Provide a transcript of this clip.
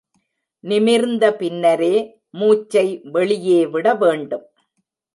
நிமிர்ந்த பின்னரே மூச்சை வெளியே விட வேண்டும்.